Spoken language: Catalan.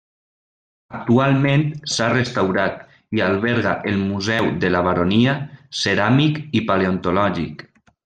Actualment s'ha restaurat i alberga el Museu de la Baronia, Ceràmic i Paleontològic.